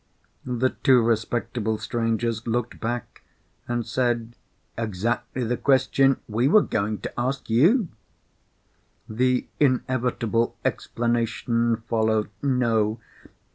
The two respectable strangers looked back, and said, "Exactly the question we were going to ask you." The inevitable explanation followed. No!